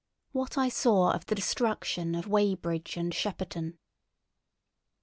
WHAT I SAW OF THE DESTRUCTION OF WEYBRIDGE AND SHEPPERTON.